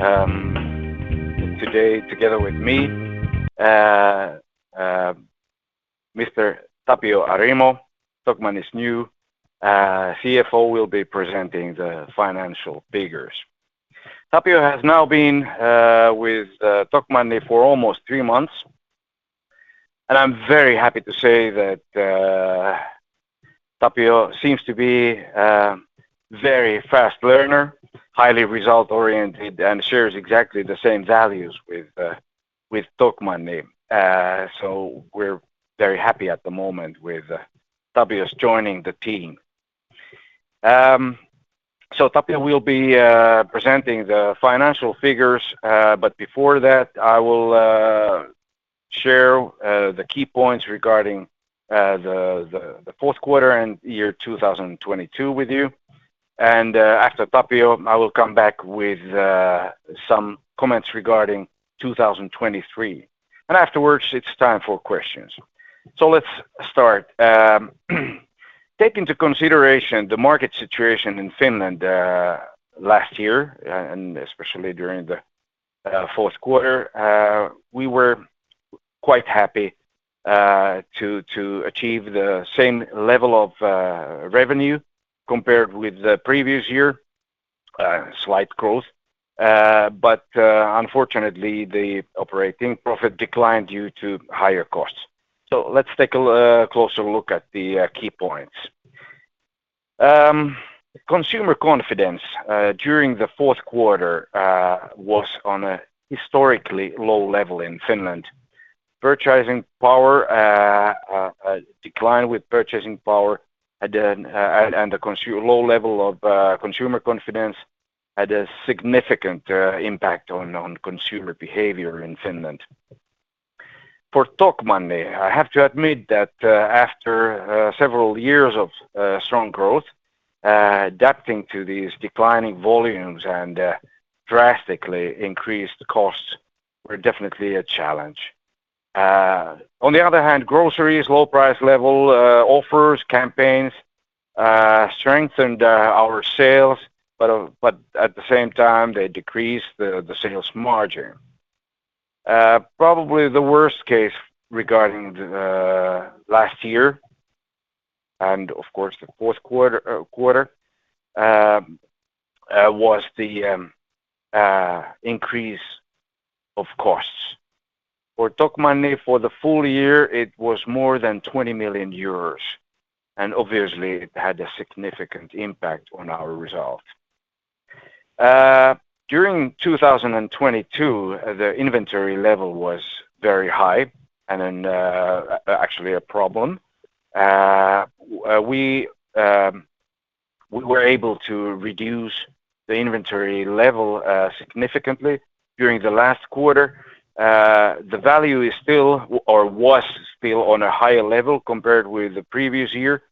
Today together with me, Mr. Tapio Arimo, Tokmanni's new CFO will be presenting the financial figures. Tapio has now been with Tokmanni for almost three months. I'm very happy to say that Tapio seems to be a very fast learner, highly result-oriented, and shares exactly the same values with Tokmanni. We're very happy at the moment with Tapio joining the team. Tapio will be presenting the financial figures. Before that, I will share the key points regarding the fourth quarter and year 2022 with you. After Tapio, I will come back with some comments regarding 2023. Afterwards, it's time for questions. Let's start. Taking into consideration the market situation in Finland, last year, and especially during the fourth quarter, we were quite happy to achieve the same level of revenue compared with the previous year, slight growth. But, unfortunately, the operating profit declined due to higher costs. Let's take a closer look at the key points. Consumer confidence, during the fourth quarter, was on a historically low level in Finland. A decline with purchasing power had a and a low level of consumer confidence had a significant impact on consumer behavior in Finland. For Tokmanni, I have to admit that, after several years of strong growth, adapting to these declining volumes and drastically increased costs were definitely a challenge. On the other hand, groceries, low price level, offers, campaigns, strengthened our sales, but at the same time, they decreased the sales margin. Probably the worst case regarding the last year, and of course the fourth quarter, was the increase of costs. For Tokmanni, for the full year, it was more than 20 million euros, obviously it had a significant impact on our results. During 2022, the inventory level was very high then, actually a problem. We were able to reduce the inventory level significantly during the last quarter. The value is still or was still on a higher level compared with the previous year,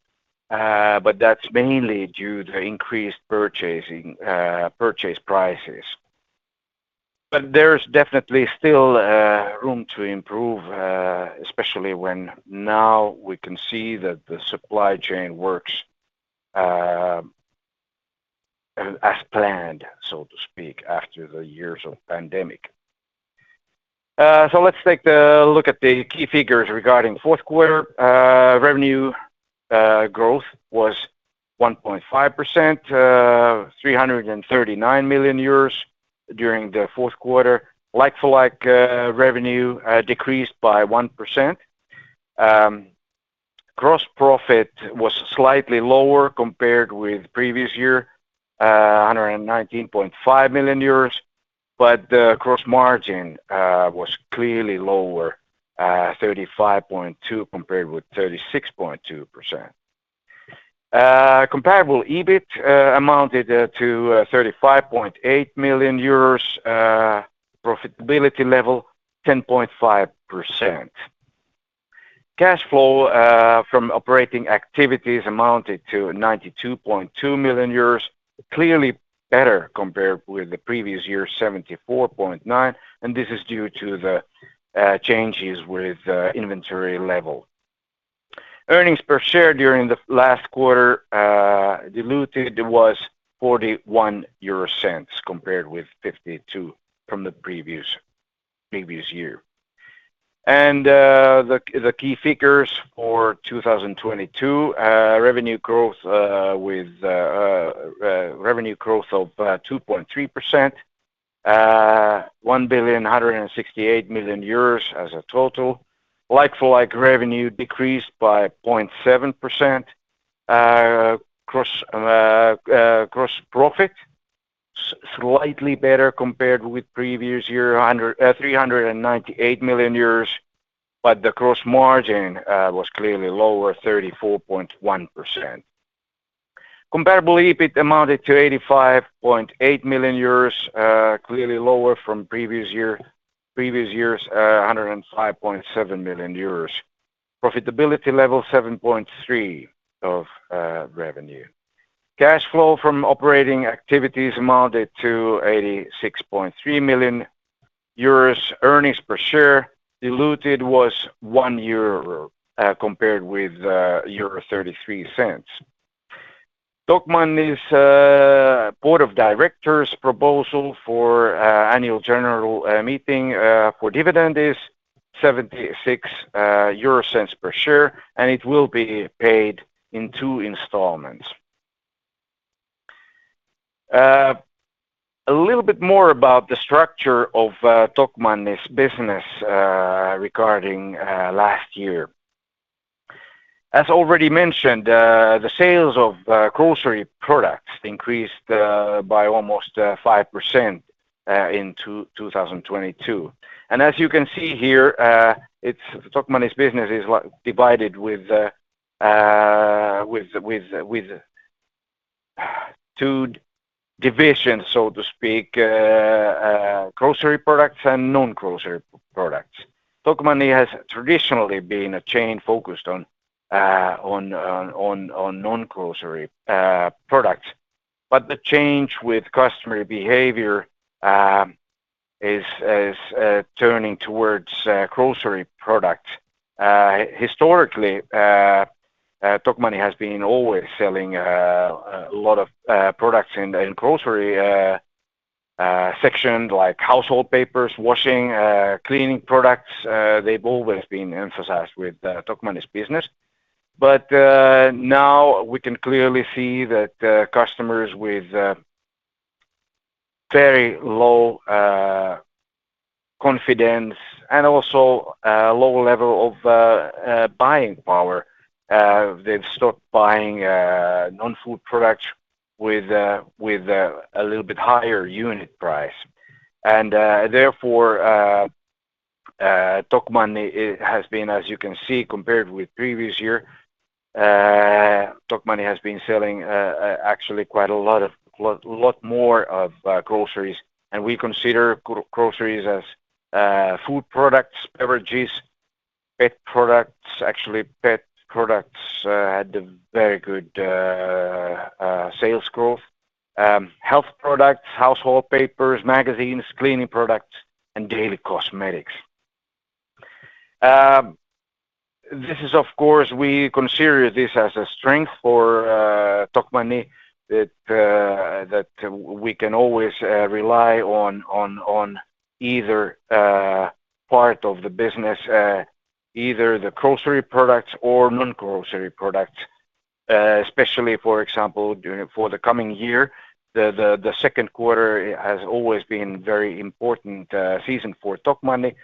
that's mainly due to increased purchasing purchase prices. There's definitely still room to improve, especially when now we can see that the supply chain works as planned, so to speak, after the years of pandemic. Let's take a look at the key figures regarding fourth quarter. Revenue growth was 1.5%, 339 million euros during the fourth quarter. Like-for-like revenue decreased by 1%. Gross profit was slightly lower compared with previous year, 119.5 million euros, but the gross margin was clearly lower, 35.2 compared with 36.2%. Comparable EBIT amounted to 35.8 million euros. Profitability level, 10.5%. Cash flow from operating activities amounted to 92.2 million euros, clearly better compared with the previous year's 74.9 million, and this is due to the changes with inventory level. Earnings per share during the last quarter, diluted was 0.41 compared with 0.52 from the previous year. The key figures for 2022, revenue growth with revenue growth of 2.3%, 1,168 million euros as a total. Like-for-like revenue decreased by 0.7%. Gross profit slightly better compared with previous year, 398 million, but the gross margin was clearly lower, 34.1%. Comparable EBIT amounted to 85.8 million euros, clearly lower from previous year's 105.7 million euros. Profitability level, 7.3% of revenue. Cash flow from operating activities amounted to 86.3 million euros, earnings per share diluted was 1 euro, compared with euro 1.33. Tokmanni's board of directors proposal for annual general meeting for dividend is 0.76 per share, and it will be paid in two installments. A little bit more about the structure of Tokmanni's business regarding last year. As already mentioned, the sales of grocery products increased by almost 5% in 2022. As you can see here, Tokmanni's business is like divided with two divisions, so to speak, grocery products and non-grocery products. Tokmanni has traditionally been a chain focused on non-grocery products. But the change with customer behavior is turning towards grocery products. Historically, Tokmanni has been always selling a lot of products in the grocery section like household papers, washing, cleaning products. They've always been emphasized with Tokmanni's business. But now we can clearly see that customers with very low confidence and also a low level of buying power, they've stopped buying non-food products with a little bit higher unit price. Therefore, Tokmanni, it has been, as you can see, compared with previous year, Tokmanni has been selling, actually quite a lot more of groceries. We consider groceries as food products, beverages, pet products. Actually, pet products had a very good sales growth. Health products, household papers, magazines, cleaning products, and daily cosmetics. This is of course, we consider this as a strength for Tokmanni that we can always rely on either part of the business, either the grocery products or non-grocery products, especially, for example, for the coming year. Second quarter has always been very important season for Tokmanni.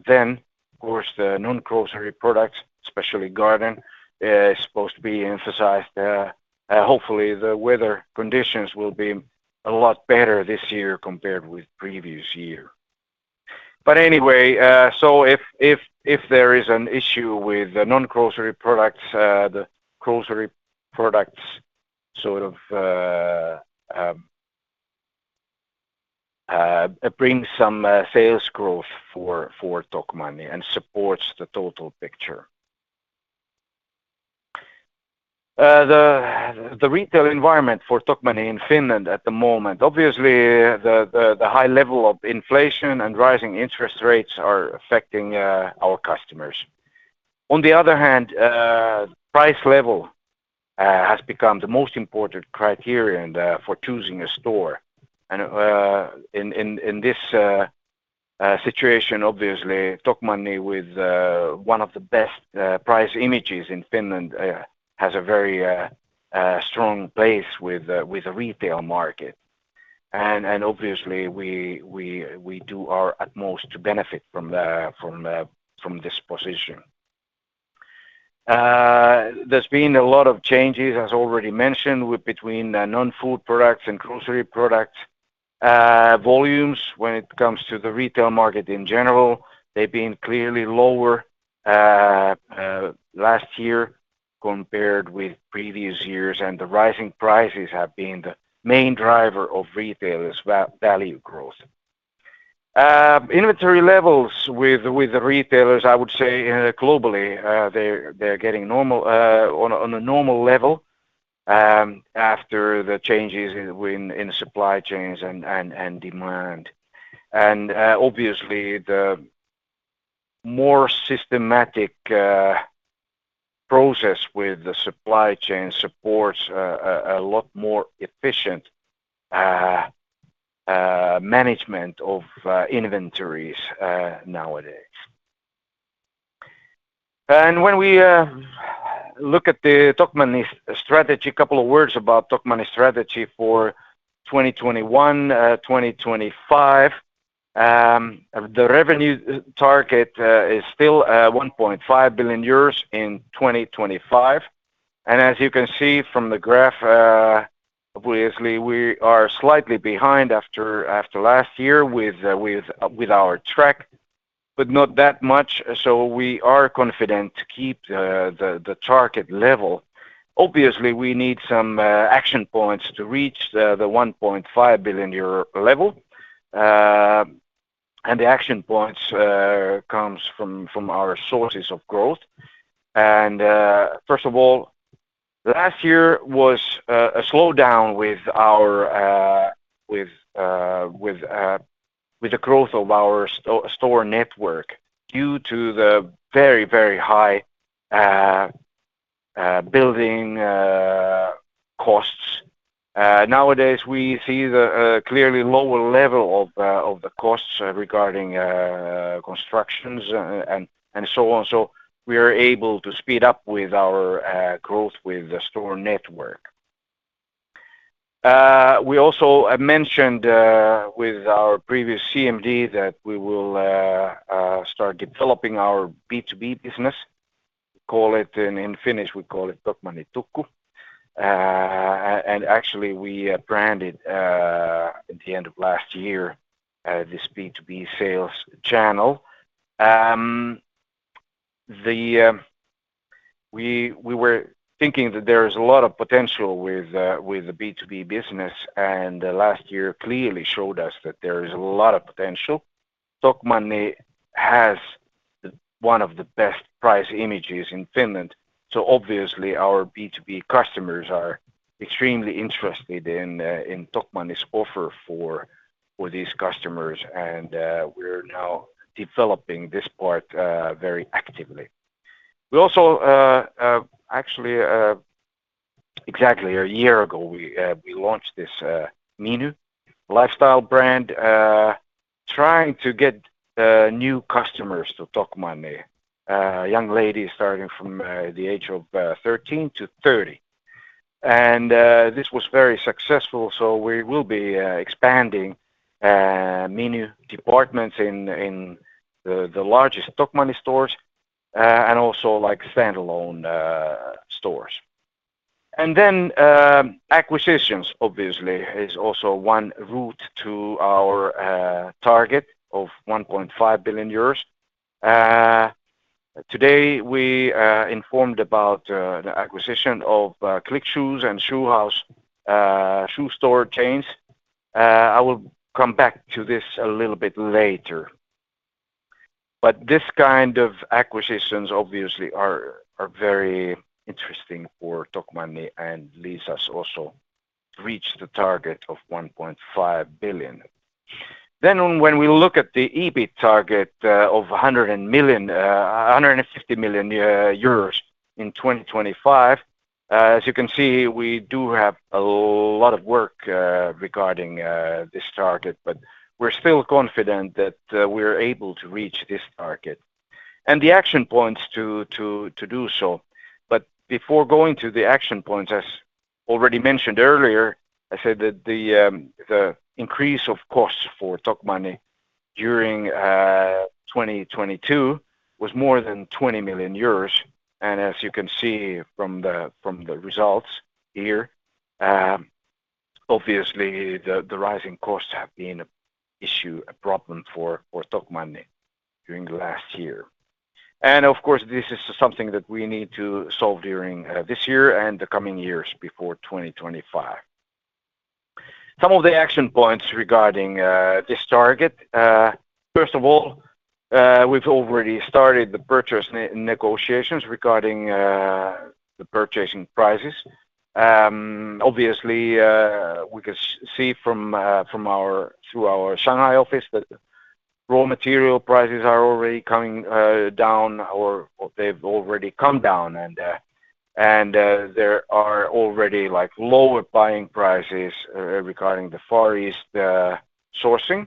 Of course, the non-grocery products, especially garden, is supposed to be emphasized. Hopefully, the weather conditions will be a lot better this year compared with previous year. Anyway, if there is an issue with the non-grocery products, the grocery products sort of bring some sales growth for Tokmanni and supports the total picture. The retail environment for Tokmanni in Finland at the moment, obviously the high level of inflation and rising interest rates are affecting our customers. On the other hand, price level has become the most important criterion for choosing a store. In this situation, obviously, Tokmanni with one of the best price images in Finland, has a very strong place with the retail market. Obviously, we do our utmost to benefit from, from this position. There's been a lot of changes, as already mentioned, with between the non-food products and grocery products. Volumes when it comes to the retail market in general, they've been clearly lower, last year compared with previous years, and the rising prices have been the main driver of retailers value growth. Inventory levels with the retailers, I would say, globally, they're getting normal, on a normal level, after the changes in supply chains and demand. Obviously, the more systematic process with the supply chain supports a lot more efficient management of inventories nowadays. When we look at the Tokmanni's strategy, a couple of words about Tokmanni's strategy for 2021-2025, the revenue target is still 1.5 billion euros in 2025. As you can see from the graph, obviously, we are slightly behind after last year with our track, but not that much. We are confident to keep the target level. Obviously, we need some action points to reach the EUR 1.5 billion level. The action points comes from our sources of growth. Last year was a slowdown with the growth of our store network due to the very, very high building costs. Nowadays we see the clearly lower level of the costs regarding constructions and so on. We are able to speed up with our growth with the store network. We also mentioned with our previous CMD that we will start developing our B2B business, call it in Finnish, we call it Tokmanni Tukku. Actually we branded at the end of last year this B2B sales channel. We were thinking that there is a lot of potential with the B2B business, and last year clearly showed us that there is a lot of potential. Tokmanni has the one of the best price images in Finland, so obviously our B2B customers are extremely interested in Tokmanni's offer for these customers, and we're now developing this part very actively. We also actually exactly a year ago, we launched this Miny lifestyle brand, trying to get new customers to Tokmanni, young ladies starting from the age of 13 to 30. This was very successful, so we will be expanding Miny departments in the largest Tokmanni stores, and also like standalone stores. Acquisitions obviously is also one route to our target of 1.5 billion euros. Today we informed about the acquisition of Click Shoes and Shoe House, shoe store chains. I will come back to this a little bit later. This kind of acquisitions obviously are very interesting for Tokmanni and leads us also to reach the target of 1.5 billion. When we look at the EBIT target of 150 million euros in 2025, as you can see, we do have a lot of work regarding this target, but we're still confident that we're able to reach this target and the action points to do so. Before going to the action points, as already mentioned earlier, I said that the increase of costs for Tokmanni during 2022 was more than 20 million euros. As you can see from the results here, obviously the rising costs have been an issue, a problem for Tokmanni during the last year. Of course, this is something that we need to solve during this year and the coming years before 2025. Some of the action points regarding this target. First of all, we've already started the purchase negotiations regarding the purchasing prices. Obviously, we can see from our, through our Shanghai office that raw material prices are already coming down or they've already come down. There are already like lower buying prices regarding the Far East sourcing.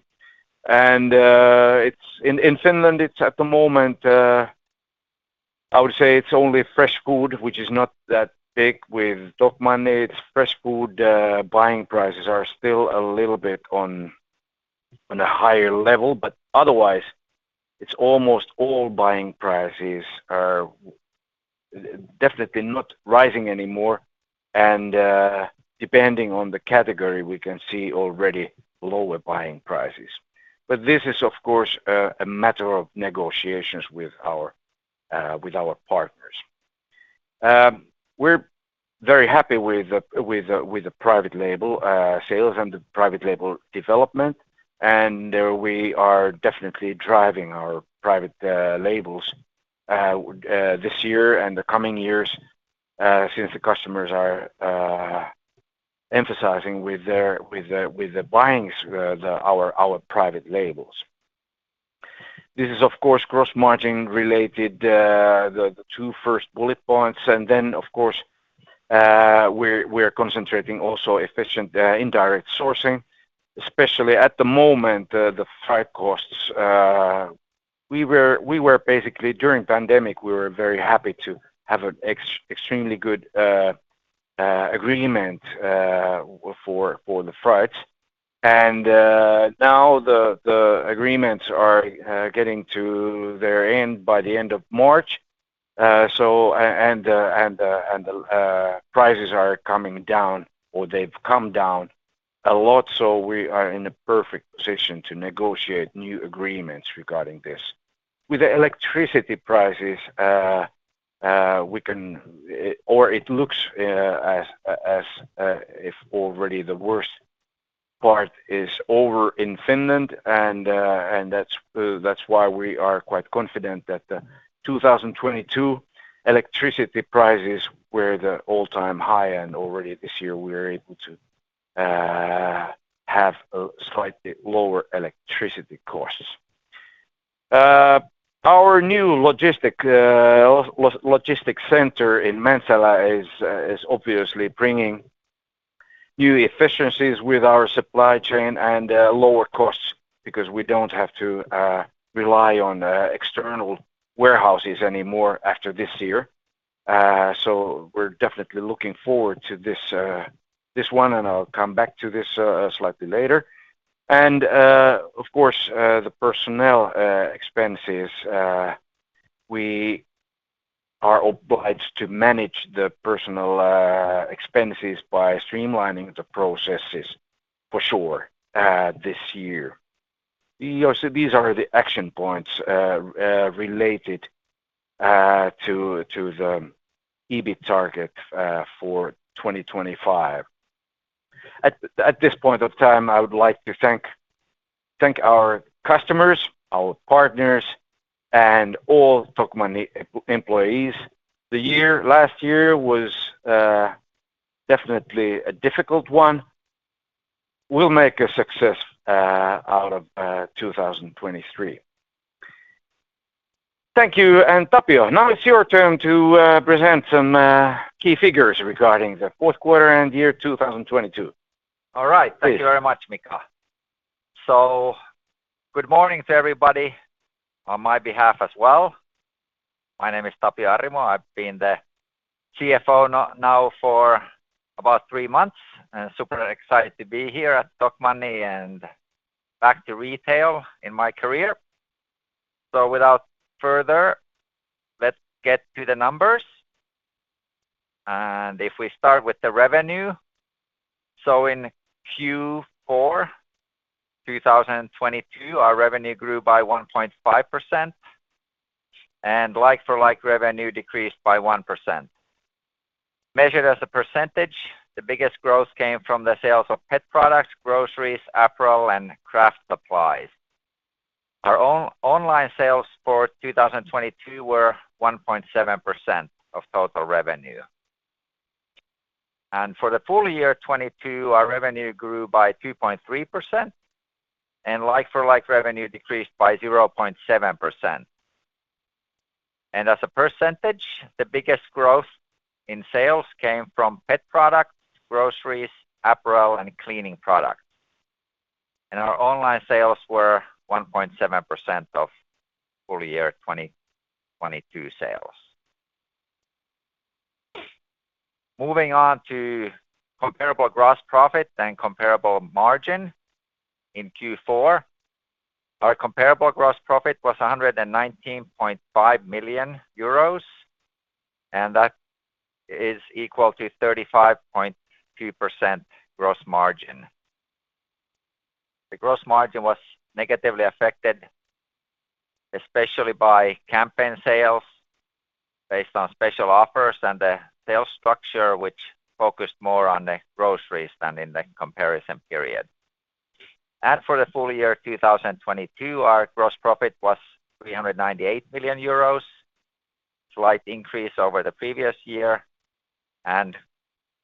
It's in Finland, it's at the moment, I would say it's only fresh food, which is not that big with Tokmanni. Its fresh food buying prices are still a little bit on a higher level. Otherwise it's almost all buying prices are definitely not rising anymore and depending on the category, we can see already lower buying prices. This is of course a matter of negotiations with our with our partners. We're very happy with the private label sales and the private label development, and we are definitely driving our private labels this year and the coming years since the customers are emphasizing with their buying the our private labels. This is of course, gross margin related the two first bullet points. Then of course, we're concentrating also efficient indirect sourcing, especially at the moment the freight costs. We were basically during pandemic, we were very happy to have an extremely good agreement for the freight. Now the agreements are getting to their end by the end of March. The prices are coming down or they've come down a lot, so we are in a perfect position to negotiate new agreements regarding this. With the electricity prices, we can or it looks as if already the worst part is over in Finland and that's why we are quite confident that the 2022 electricity prices were the all-time high, and already this year we're able to have a slightly lower electricity costs. Our new logistic center in Mäntsälä is obviously bringing new efficiencies with our supply chain and lower costs because we don't have to rely on external warehouses anymore after this year. So we're definitely looking forward to this one, and I'll come back to this slightly later. Of course, the personnel expenses, we are obliged to manage the personnel expenses by streamlining the processes for sure this year. Yeah, so these are the action points related to the EBIT target for 2025. At this point of time, I would like to thank our customers, our partners, and all Tokmanni employees. Last year was definitely a difficult one. We'll make a success out of 2023. Thank you. Tapio, now it's your turn to present some key figures regarding the fourth quarter and year 2022. All right. Thank you very much, Mika. Good morning to everybody on my behalf as well. My name is Tapio Arimo. I've been the CFO now for about three months, and super excited to be here at Tokmanni and back to retail in my career. Without further, let's get to the numbers. If we start with the revenue, in Q4 2022, our revenue grew by 1.5%, and like-for-like revenue decreased by 1%. Measured as a percentage, the biggest growth came from the sales of pet products, groceries, apparel, and craft supplies. Our online sales for 2022 were 1.7% of total revenue. For the full year 2022, our revenue grew by 2.3%, and like-for-like revenue decreased by 0.7%. As a %, the biggest growth in sales came from pet products, groceries, apparel, and cleaning products. Our online sales were 1.7% of full year 2022 sales. Moving on to comparable gross profit and comparable margin. In Q4, our comparable gross profit was 119.5 million euros, and that is equal to 35.2% gross margin. The gross margin was negatively affected, especially by campaign sales based on special offers and the sales structure, which focused more on the groceries than in the comparison period. For the full year 2022, our gross profit was 398 million euros, slight increase over the previous year, and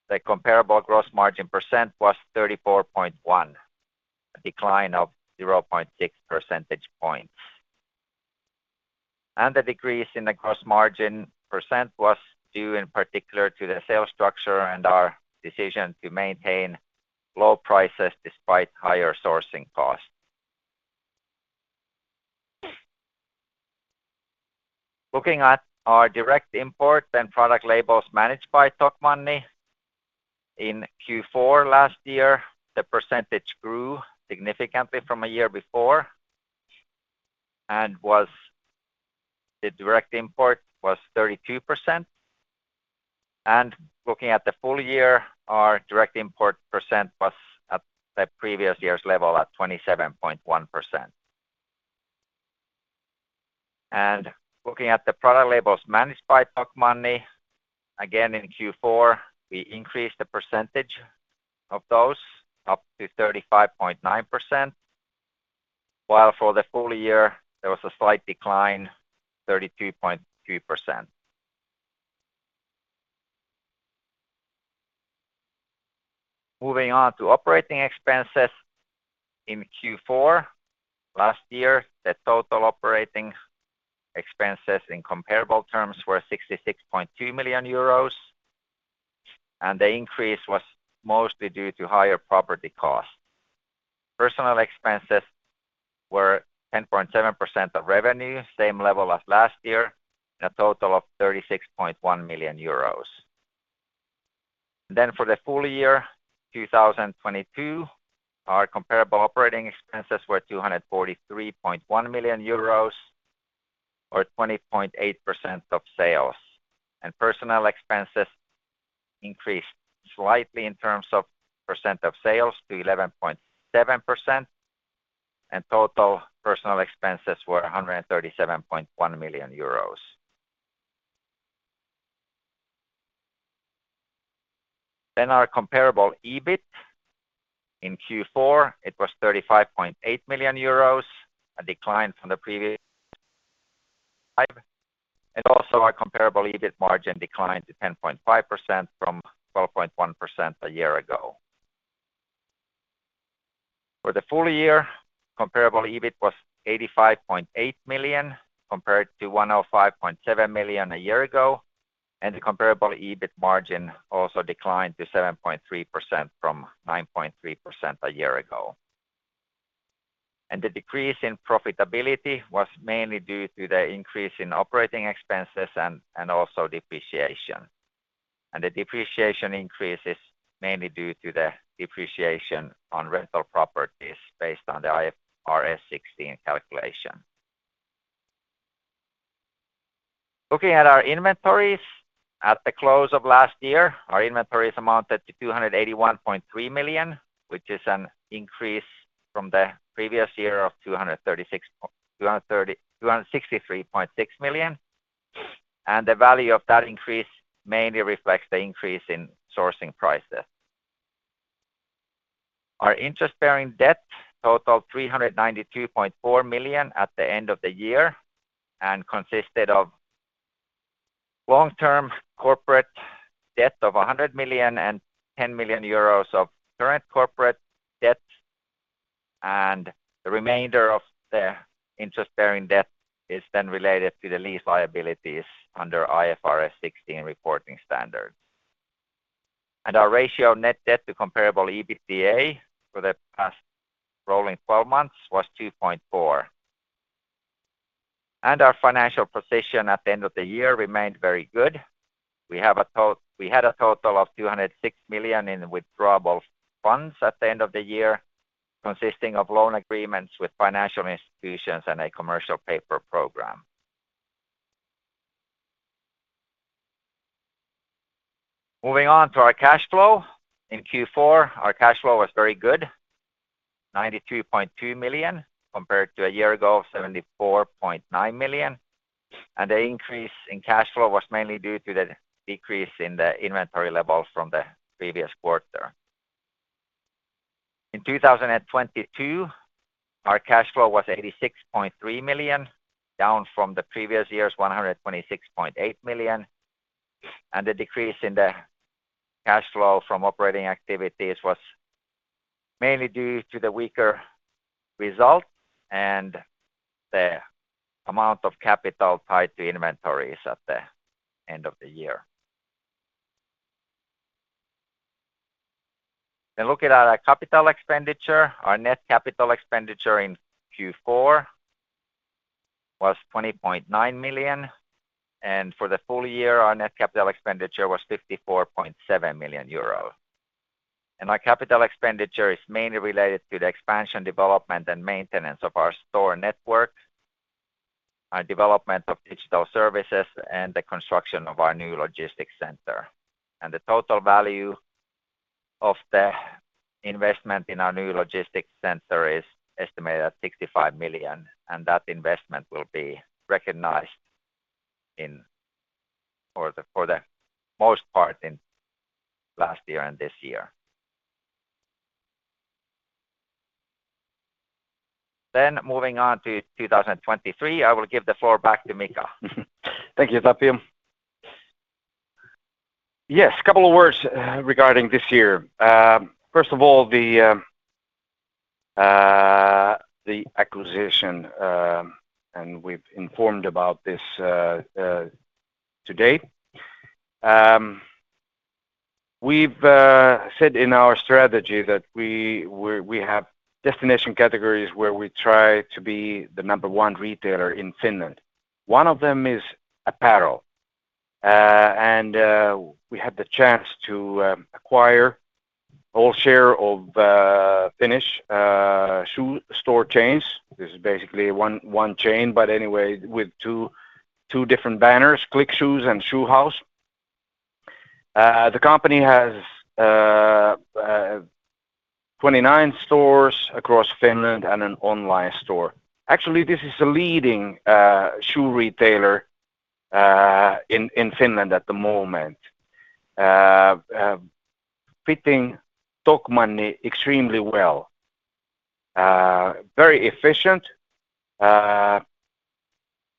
the comparable gross margin % was 34.1, a decline of 0.6 percentage points. The decrease in the gross margin % was due in particular to the sales structure and our decision to maintain low prices despite higher sourcing costs. Looking at our direct import and product labels managed by Tokmanni, in Q4 last year, the percentage grew significantly from a year before, the direct import was 32%. Looking at the full year, our direct import % was at the previous year's level at 27.1%. Looking at the product labels managed by Tokmanni, again, in Q4, we increased the percentage of those up to 35.9%, while for the full year there was a slight decline, 32.2%. Moving on to operating expenses. In Q4 last year, the total operating expenses in comparable terms were 66.2 million euros, and the increase was mostly due to higher property costs. Personnel expenses were 10.7% of revenue, same level as last year, a total of 36.1 million euros. For the full year 2022, our comparable operating expenses were 243.1 million euros or 20.8% of sales. Personnel expenses increased slightly in terms of percent of sales to 11.7%, and total personnel expenses were 137.1 million euros. Our comparable EBIT in Q4, it was 35.8 million euros, a decline from the previous. Also our comparable EBIT margin declined to 10.5% from 12.1% a year ago. For the full year, comparable EBIT was 85.8 million compared to 105.7 million a year ago. The comparable EBIT margin also declined to 7.3% from 9.3% a year ago. The decrease in profitability was mainly due to the increase in operating expenses and also depreciation. The depreciation increase is mainly due to the depreciation on rental properties based on the IFRS 16 calculation. Looking at our inventories at the close of last year, our inventories amounted to 281.3 million, which is an increase from the previous year of 263.6 million. The value of that increase mainly reflects the increase in sourcing prices. Our interest-bearing debt totaled 392.4 million at the end of the year and consisted of long-term corporate debt of 100 million and 10 million euros of current corporate debt, and the remainder of the interest-bearing debt is then related to the lease liabilities under IFRS 16 reporting standard. Our ratio of net debt to comparable EBITDA for the past rolling twelve months was 2.4. Our financial position at the end of the year remained very good. We had a total of 206 million in withdrawable funds at the end of the year, consisting of loan agreements with financial institutions and a commercial paper program. Moving on to our cash flow. In Q4, our cash flow was very good, 92.2 million, compared to a year ago, 74.9 million. The increase in cash flow was mainly due to the decrease in the inventory levels from the previous quarter. In 2022, our cash flow was 86.3 million, down from the previous year's 126.8 million. The decrease in the cash flow from operating activities was mainly due to the weaker result and the amount of capital tied to inventories at the end of the year. Looking at our capital expenditure, our net capital expenditure in Q4 was 20.9 million, and for the full year, our net capital expenditure was 54.7 million euros. Our capital expenditure is mainly related to the expansion, development, and maintenance of our store network, our development of digital services, and the construction of our new logistics center. The total value of the investment in our new logistics center is estimated at 65 million, and that investment will be recognized for the most part in last year and this year. Moving on to 2023, I will give the floor back to Mika. Thank you, Tapio. Yes, couple of words regarding this year. First of all, the acquisition. We've informed about this today. We've said in our strategy that we have destination categories where we try to be the number one retailer in Finland. One of them is apparel. We had the chance to acquire all share of Finnish shoe store chains. This is basically one chain, but anyway, with two different banners, Click Shoes and Shoe House. The company has 29 stores across Finland and an online store. Actually, this is a leading shoe retailer in Finland at the moment, fitting Tokmanni extremely well. Very efficient and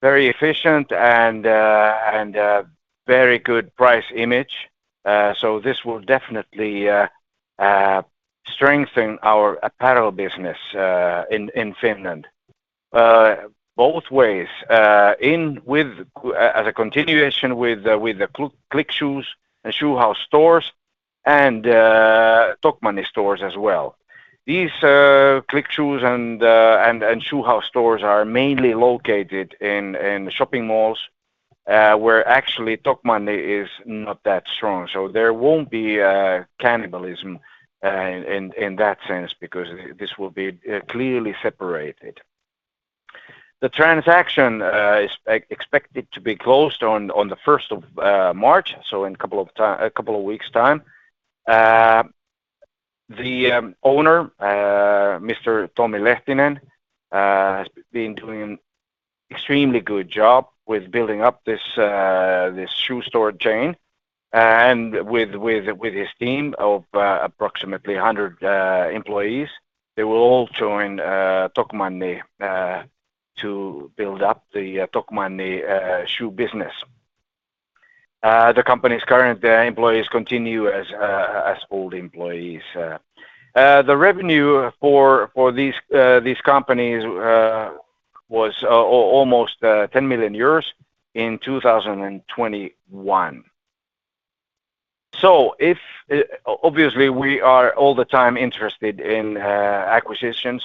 very good price image. This will definitely strengthen our apparel business in Finland, both ways, as a continuation with the Click Shoes and Shoe House stores and Tokmanni stores as well. These Click Shoes and Shoe House stores are mainly located in shopping malls where actually Tokmanni is not that strong. There won't be cannibalism in that sense because this will be clearly separated. The transaction is expected to be closed on the first of March, so in a couple of weeks' time. The owner, Mr. Tommi Lehtinen, has been doing an extremely good job with building up this shoe store chain. With his team of approximately 100 employees, they will all join Tokmanni to build up the Tokmanni shoe business. The company's current employees continue as old employees. The revenue for these companies was almost 10 million euros in 2021. Obviously we are all the time interested in acquisitions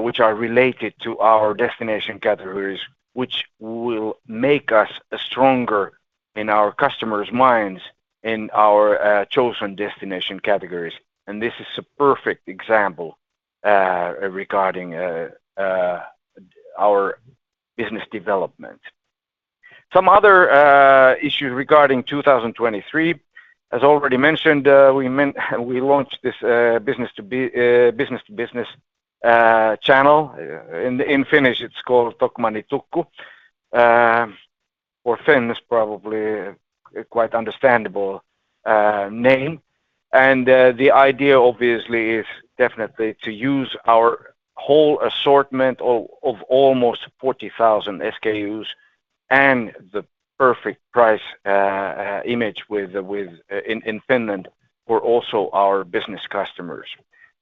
which are related to our destination categories, which will make us stronger in our customers' minds in our chosen destination categories. This is a perfect example regarding our business development. Some other issues regarding 2023, as already mentioned, We launched this business to business channel. In Finnish it's called Tokmanni Tukku. For Finns probably a quite understandable name. The idea obviously is definitely to use our whole assortment of almost 40,000 SKUs and the perfect price image with In Finland for also our business customers.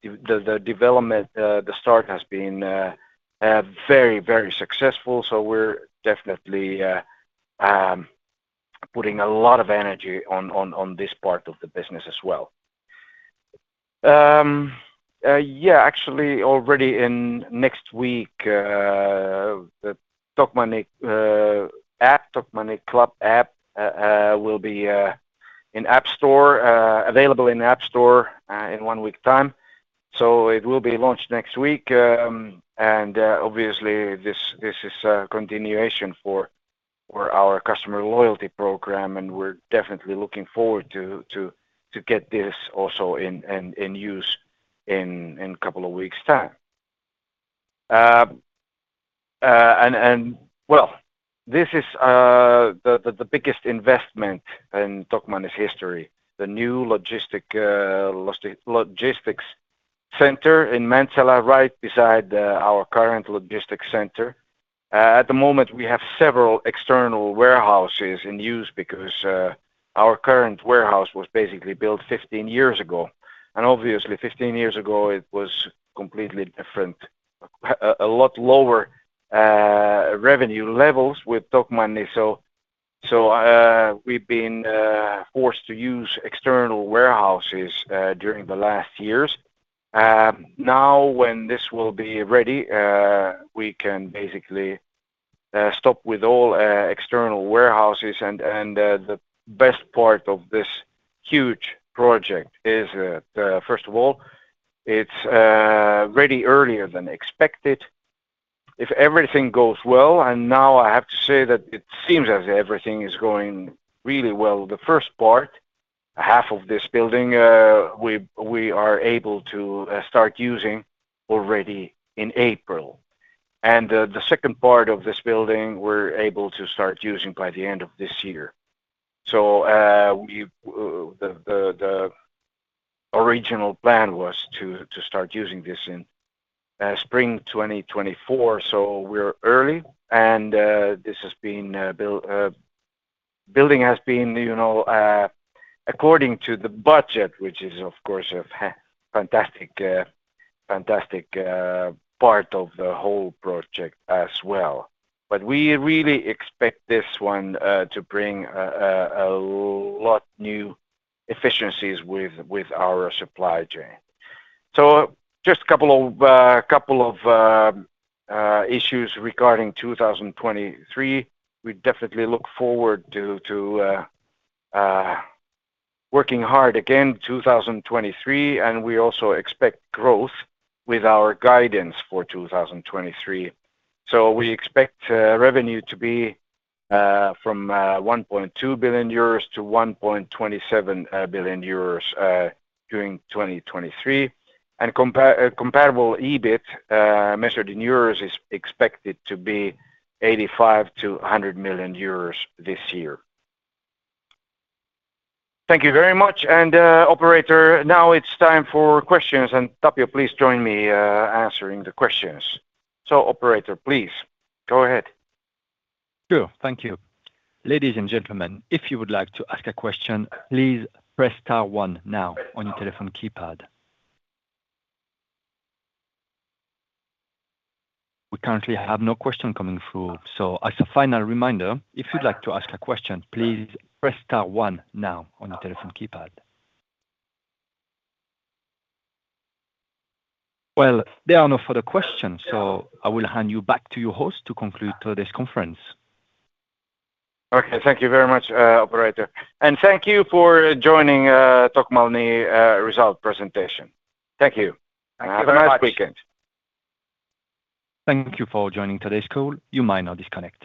The development, the start has been very successful, we're definitely putting a lot of energy on this part of the business as well. Yeah, actually already in next week, the Tokmanni app, Tokmanni Club app, will be in App Store, available in App Store, in one week time. It will be launched next week. Obviously this is a continuation for our customer loyalty program, and we're definitely looking forward to get this also in use in couple of weeks' time. Well, this is the biggest investment in Tokmanni's history, the new Logistics center in Mäntsälä right beside our current logistics center. At the moment we have several external warehouses in use because our current warehouse was basically built 15 years ago. Obviously 15 years ago it was completely different. A lot lower revenue levels with Tokmanni, so we've been forced to use external warehouses during the last years. Now when this will be ready, we can basically stop with all e-external warehouses and the best part of this huge project is, first of all, it's ready earlier than expected. If everything goes well, and now I have to say that it seems as everything is going really well, the first part, half of this building, we are able to start using already in April. The second part of this building, we're able to start using by the end of this year. The original plan was to start using this in spring 2024, so we're early, and this has been built. Building has been, you know, according to the budget, which is of course a fantastic part of the whole project as well. We really expect this one to bring a lot new efficiencies with our supply chain. Just couple of issues regarding 2023. We definitely look forward to working hard again 2023, and we also expect growth with our guidance for 2023. We expect revenue to be from 1.2 billion-1.27 billion euros during 2023. Comparable EBIT measured in EUR is expected to be 85 million-100 million euros this year. Thank you very much. Operator, now it's time for questions, and Tapio please join me, answering the questions. operator, please go ahead. Sure. Thank you. Ladies and gentlemen, if you would like to ask a question, please press star one now on your telephone keypad. We currently have no question coming through, so as a final reminder, if you'd like to ask a question, please press star one now on your telephone keypad. Well, there are no further questions. I will hand you back to your host to conclude today's conference. Okay. Thank you very much, operator. Thank you for joining Tokmanni result presentation. Thank you. Thank you very much. Have a nice weekend. Thank you for joining today's call. You may now disconnect.